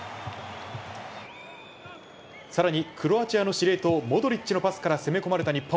さらに、クロアチアの司令塔モドリッチのパスから攻め込まれた日本。